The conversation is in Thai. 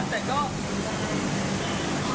แต่ก็